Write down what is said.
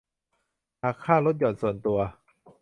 หักค่าลดหย่อนส่วนตัว